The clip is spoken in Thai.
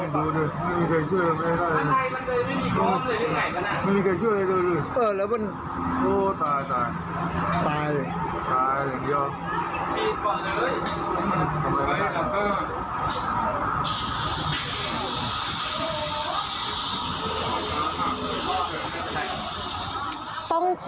ต้องขออนุญาตเซ็นเซอร์ครับให้ม่วง